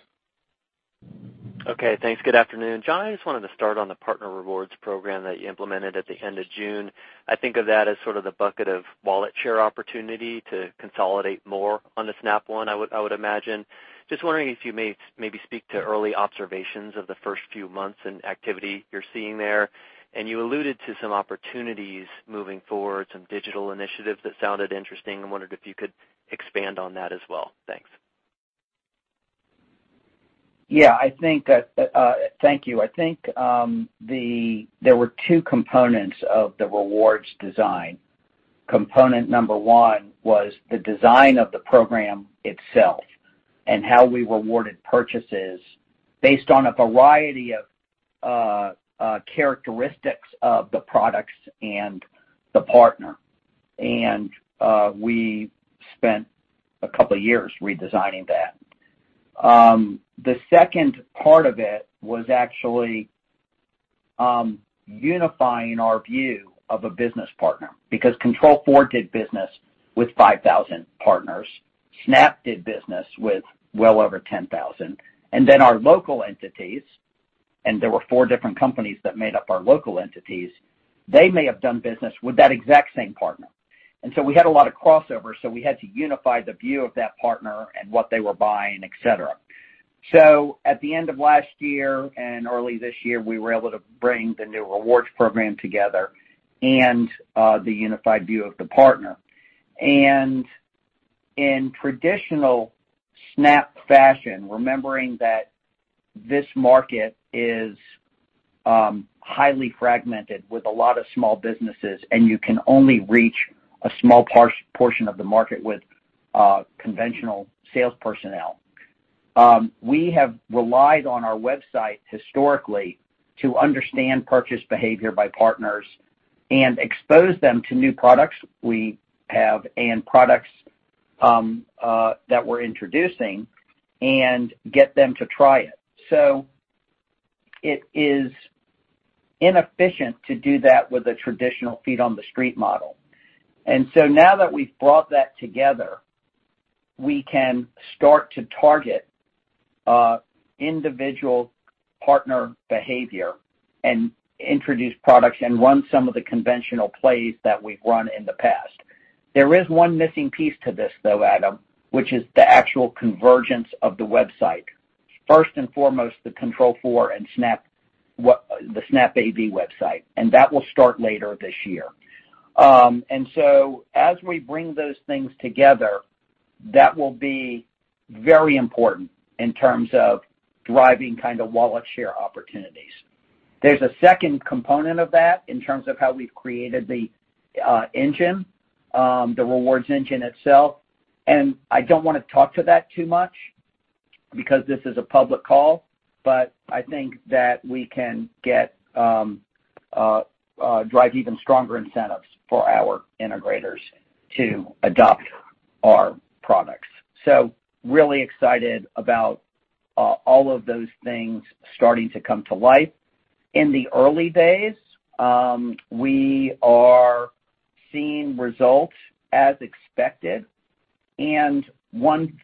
Okay, thanks. Good afternoon. John, I just wanted to start on the partner rewards program that you implemented at the end of June. I think of that as sort of the bucket of wallet share opportunity to consolidate more on the Snap One, I would imagine. Just wondering if you may maybe speak to early observations of the first few months and activity you're seeing there. You alluded to some opportunities moving forward, some digital initiatives that sounded interesting. I wondered if you could expand on that as well. Thanks. Thank you. There were two components of the rewards design. Component number one was the design of the program itself and how we rewarded purchases based on a variety of characteristics of the products and the partner. We spent a couple of years redesigning that. The second part of it was actually unifying our view of a business partner because Control4 did business with 5,000 partners. Snap did business with well over 10,000. Our local entities, and there were four different companies that made up our local entities, they may have done business with that exact same partner. We had a lot of crossover, so we had to unify the view of that partner and what they were buying, et cetera. At the end of last year and early this year, we were able to bring the new rewards program together and the unified view of the partner. In traditional Snap fashion, remembering that this market is highly fragmented with a lot of small businesses, and you can only reach a small portion of the market with conventional sales personnel. We have relied on our website historically to understand purchase behavior by partners and expose them to new products we have and products that we're introducing and get them to try it. It is inefficient to do that with a traditional feet on the street model. Now that we've brought that together, we can start to target individual partner behavior and introduce products and run some of the conventional plays that we've run in the past. There is one missing piece to this, though, Adam, which is the actual convergence of the website. First and foremost, the Control4 and SnapAV website, and that will start later this year. As we bring those things together, that will be very important in terms of driving kind of wallet share opportunities. There is a second component of that in terms of how we have created the rewards engine itself. I do not want to talk to that too much because this is a public call, but I think that we can drive even stronger incentives for our integrators to adopt our products. Really excited about all of those things starting to come to life. In the early days, we are seeing results as expected. One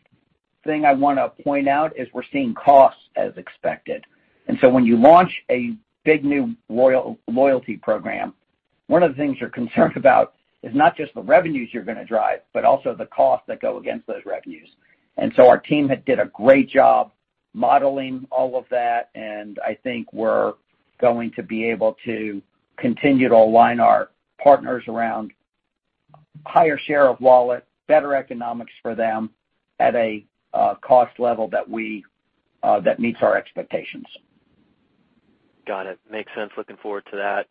thing I wanna point out is we're seeing costs as expected. When you launch a big new loyalty program, one of the things you're concerned about is not just the revenues you're gonna drive, but also the costs that go against those revenues. Our team had did a great job modeling all of that, and I think we're going to be able to continue to align our partners around higher share of wallet, better economics for them at a cost level that we that meets our expectations. Got it. Makes sense. Looking forward to that.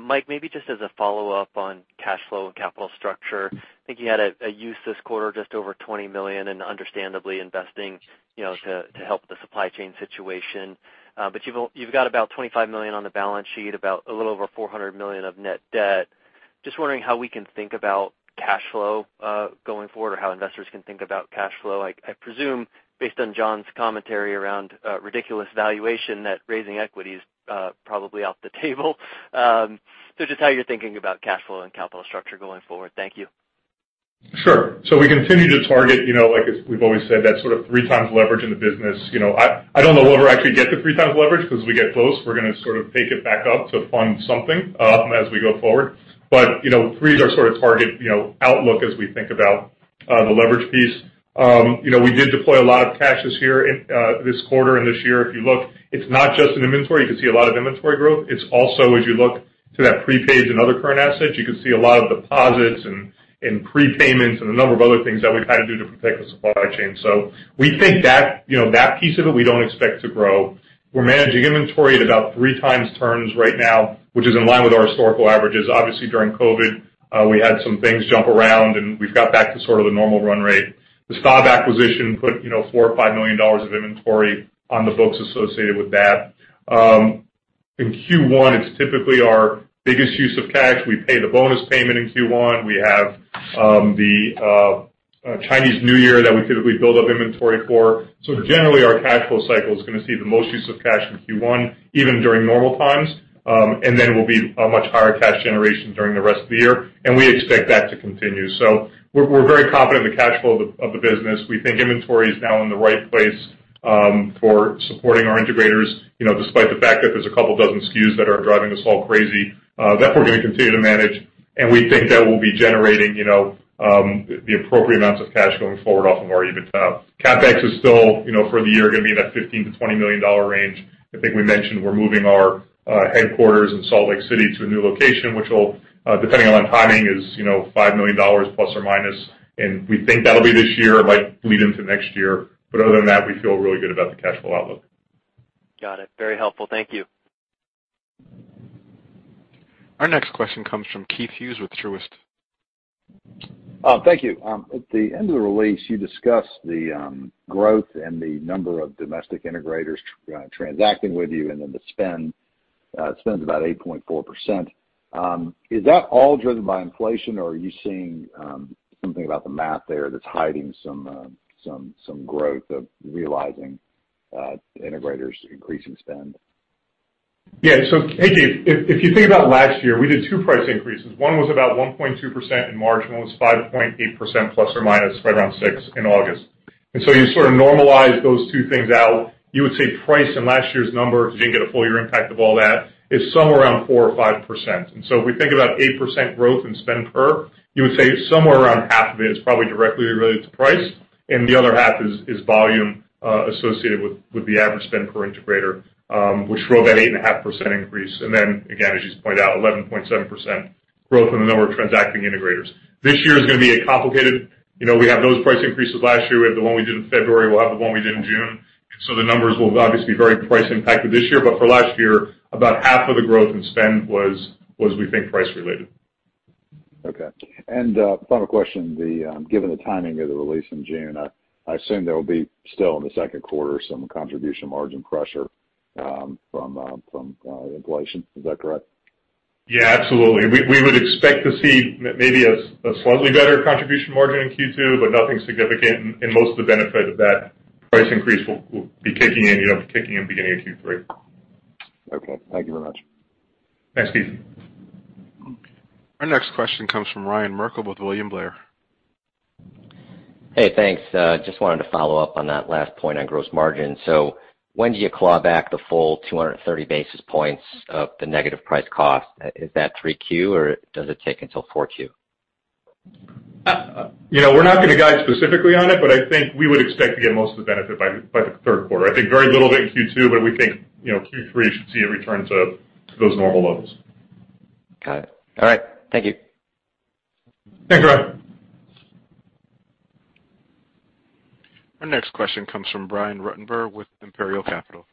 Mike, maybe just as a follow-up on cash flow and capital structure, I think you had a use this quarter just over $20 million and understandably investing, you know, to help the supply chain situation. But you've got about $25 million on the balance sheet, about a little over $400 million of net debt. Just wondering how we can think about cash flow going forward or how investors can think about cash flow. I presume based on John's commentary around ridiculous valuation that raising equity is probably off the table. So just how you're thinking about cash flow and capital structure going forward. Thank you. Sure. We continue to target, you know, like as we've always said, that sort of 3x leverage in the business. You know, I don't know whether we'll actually get to 3x leverage because we get close, we're gonna sort of take it back up to fund something, as we go forward. You know, 3x is our sort of target, you know, outlook as we think about, the leverage piece. You know, we did deploy a lot of cash this year in, this quarter and this year. If you look, it's not just in inventory. You can see a lot of inventory growth. It's also as you look to that prepaid and other current assets, you can see a lot of deposits and prepayments and a number of other things that we've had to do to protect the supply chain. We think that, you know, that piece of it, we don't expect to grow. We're managing inventory at about three times turns right now, which is in line with our historical averages. Obviously, during COVID, we had some things jump around, and we've got back to sort of the normal run rate. The Staub acquisition put, you know, $4 million-$5 million of inventory on the books associated with that. In Q1 it's typically our biggest use of cash. We pay the bonus payment in Q1. We have the Chinese New Year that we typically build up inventory for. Generally our cash flow cycle is gonna see the most use of cash in Q1, even during normal times. It will be a much higher cash generation during the rest of the year, and we expect that to continue. We're very confident in the cash flow of the business. We think inventory is now in the right place for supporting our integrators. You know, despite the fact that there's a couple dozen SKUs that are driving us all crazy that we're gonna continue to manage, and we think that we'll be generating, you know, the appropriate amounts of cash going forward off of our EBITDA. CapEx is still, you know, for the year gonna be in that $15 million-$20 million range. I think we mentioned we're moving our headquarters in Salt Lake City to a new location, which will, depending on timing, is, you know, $5 million plus or minus. We think that'll be this year. It might bleed into next year, but other than that, we feel really good about the cash flow outlook. Got it. Very helpful. Thank you. Our next question comes from Keith Hughes with Truist. Thank you. At the end of the release you discussed the growth and the number of domestic integrators transacting with you and then the spend's about 8.4%. Is that all driven by inflation or are you seeing something about the math there that's hiding some growth you're realizing the integrators increasing spend? Yeah. Hey, Keith, if you think about last year, we did two price increases. One was about 1.2% in March, and one was 5.8% plus or minus, right around 6% in August. You sort of normalize those two things out, you would say price in last year's numbers, because you didn't get a full year impact of all that, is somewhere around 4% or 5%. If we think about 8% growth in spend per, you would say somewhere around half of it is probably directly related to price, and the other half is volume associated with the average spend per integrator, which drove that 8.5% increase. Again, as you just pointed out, 11.7% growth in the number of transacting integrators. This year is gonna be complicated. You know, we have those price increases last year. We have the one we did in February. We'll have the one we did in June. The numbers will obviously be very price impacted this year. For last year, about half of the growth in spend was, we think, price related. Okay. Final question, given the timing of the release in June, I assume there will be still in the second quarter some contribution margin pressure from inflation. Is that correct? Yeah, absolutely. We would expect to see maybe a slightly better contribution margin in Q2, but nothing significant. Most of the benefit of that price increase will be kicking in, you know, beginning of Q3. Okay. Thank you very much. Thanks, Keith. Our next question comes from Ryan Merkel with William Blair. Hey, thanks. Just wanted to follow up on that last point on gross margin. When do you claw back the full 230 basis points of the negative price cost? Is that 3Q or does it take until 4Q? You know, we're not gonna guide specifically on it, but I think we would expect to get most of the benefit by the third quarter. I think very little of it in Q2, but we think, you know, Q3 should see a return to those normal levels. Got it. All right. Thank you. Thanks, Ryan. Our next question comes from Brian Ruttenbur with Imperial Capital.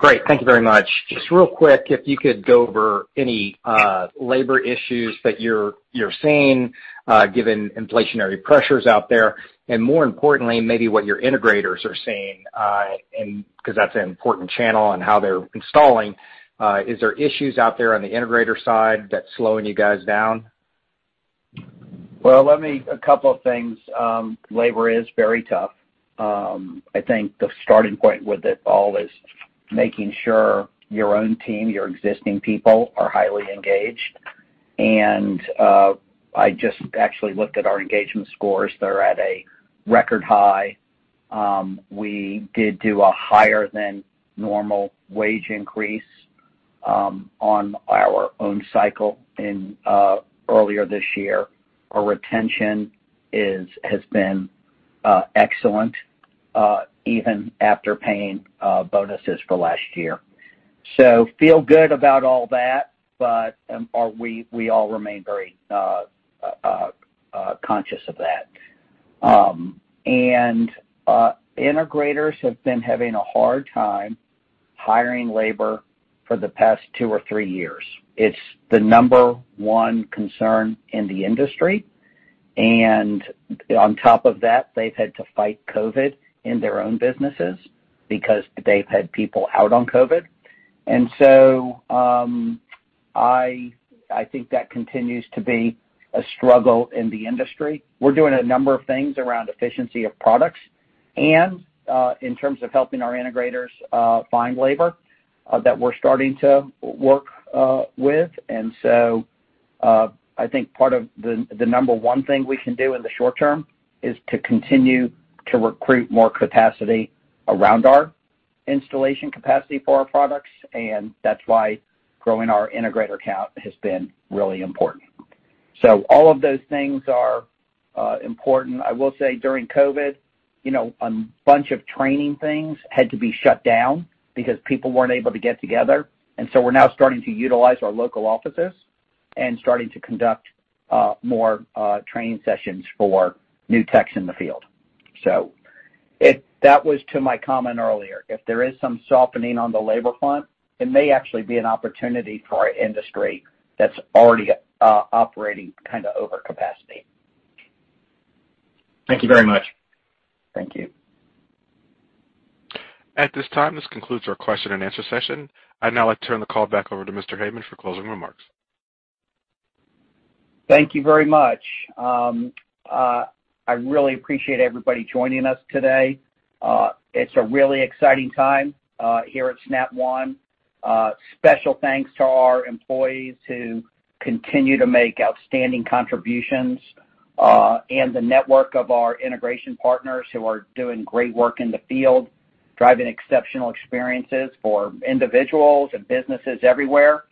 Great. Thank you very much. Just real quick, if you could go over any labor issues that you're seeing, given inflationary pressures out there, and more importantly, maybe what your integrators are seeing, and because that's an important channel on how they're installing. Is there issues out there on the integrator side that's slowing you guys down? A couple of things, labor is very tough. I think the starting point with it all is making sure your own team, your existing people are highly engaged. I just actually looked at our engagement scores. They're at a record high. We did do a higher than normal wage increase on our own cycle in earlier this year. Our retention has been excellent, even after paying bonuses for last year. Feel good about all that, but we all remain very conscious of that. Integrators have been having a hard time hiring labor for the past two or three years. It's the number one concern in the industry. On top of that, they've had to fight COVID in their own businesses because they've had people out on COVID. I think that continues to be a struggle in the industry. We're doing a number of things around efficiency of products and in terms of helping our integrators find labor that we're starting to work with. I think part of the number one thing we can do in the short term is to continue to recruit more capacity around our installation capacity for our products, and that's why growing our integrator count has been really important. All of those things are important. I will say during COVID, you know, a bunch of training things had to be shut down because people weren't able to get together. We're now starting to utilize our local offices and starting to conduct more training sessions for new techs in the field. That was to my comment earlier. If there is some softening on the labor front, it may actually be an opportunity for our industry that's already operating kind of over capacity. Thank you very much. Thank you. At this time, this concludes our question-and-answer session. I'd now like to turn the call back over to Mr. Heyman for closing remarks. Thank you very much. I really appreciate everybody joining us today. It's a really exciting time here at Snap One. Special thanks to our employees who continue to make outstanding contributions and the network of our integration partners who are doing great work in the field, driving exceptional experiences for individuals and businesses everywhere.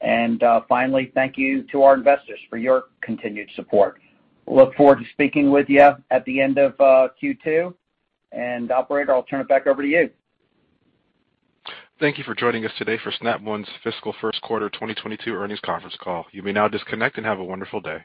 And, finally, thank you to our investors for your continued support. Look forward to speaking with you at the end of Q2. Operator, I'll turn it back over to you. Thank you for joining us today for Snap One's fiscal first quarter 2022 earnings conference call. You may now disconnect and have a wonderful day.